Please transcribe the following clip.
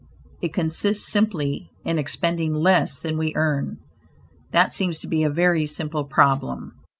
It consists simply in expending less than we earn; that seems to be a very simple problem.